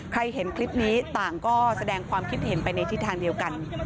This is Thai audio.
เห็นคลิปนี้ต่างก็แสดงความคิดเห็นไปในทิศทางเดียวกัน